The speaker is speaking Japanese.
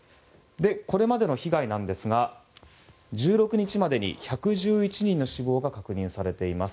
これまでの被害なんですが１６日までに１１１人の死亡が確認されています。